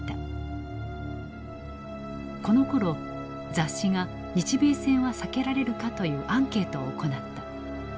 このころ雑誌が「日米戦は避けられるか」というアンケートを行った。